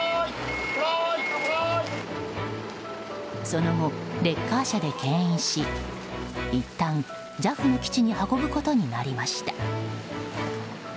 その後、レッカー車で牽引しいったんＪＡＦの基地に運ぶことになりました。